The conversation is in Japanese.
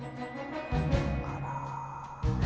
あら。